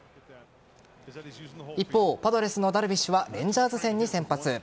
一方、パドレスのダルビッシュはレンジャーズ戦に先発。